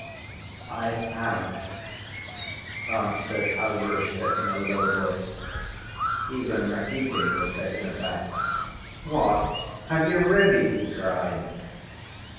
"I have," answered Alyosha in a low voice. Even Rakitin was taken aback. "What? Have you really?" he cried.